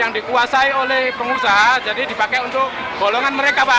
yang dikuasai oleh pengusaha jadi dipakai untuk bolongan mereka pak